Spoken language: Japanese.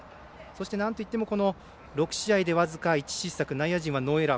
なんといっても６試合でわずか１失策内野陣はノーエラー。